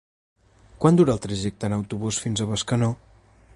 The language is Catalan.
Quant dura el trajecte en autobús fins a Bescanó?